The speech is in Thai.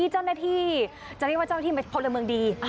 เจ้าหน้าที่จะเรียกว่าเจ้าหน้าที่พลเมืองดี